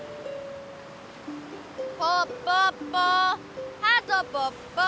「ぽっぽっぽはとぽっぽ」